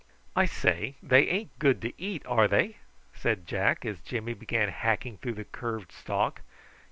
"I say, they ain't good to eat, are they?" said Jack, as Jimmy began hacking through the curved stalk.